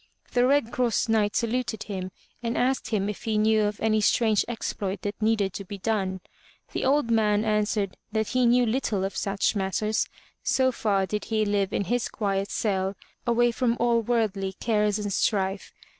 The Red Cross Knight saluted him and asked him if he knew of any strange exploit that needed to be done. The old man answered that he knew little of such matters, so far did he live in his quiet cell away from all worldly cares and strife.